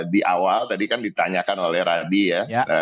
di awal tadi kan ditanyakan oleh radi ya